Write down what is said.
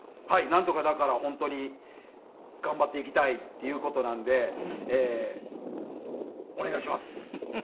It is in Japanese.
なんとかだから本当に頑張っていきたいっていう事なんでお願いしますっていう感じです。